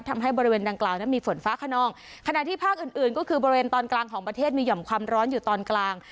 ทำให้บริเวณดังกล่าวนั้นมีฝนฟ้าขนองขณะที่ภาคอื่นอื่นก็คือบริเวณตอนกลางของประเทศมีห่อมความร้อนอยู่ตอนกลาง